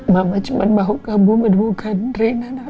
mama cuma mau kamu menemukan reinan